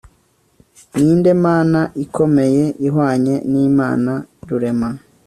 ni nde mana ikomeye, ihwanye n'imana rurema